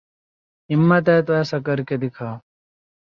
ہمت ہے تو ایسا کر کے دکھاؤ